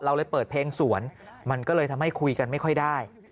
เราเลยเปิดเพลงสวนมันก็เลยทำให้คุยกันไม่ค่อยได้